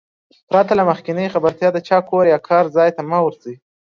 پرته له مخکينۍ خبرتيا د چا کور يا کار ځاى ته مه ورځٸ.